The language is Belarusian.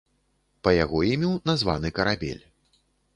Па яго імю названы карабель.